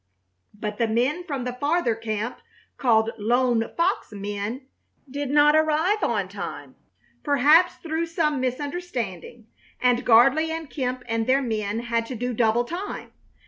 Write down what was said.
But the men from the farther camp, called "Lone Fox" men, did not arrive on time, perhaps through some misunderstanding, and Gardley and Kemp and their men had to do double time.